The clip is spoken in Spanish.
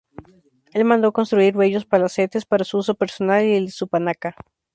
Él mandó construir bellos palacetes para su uso personal y el de su panaca.